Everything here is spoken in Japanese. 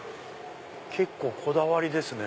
結構こだわりですね。